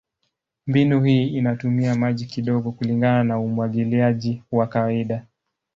Mbinu hii inatumia maji kidogo kulingana na umwagiliaji wa kawaida.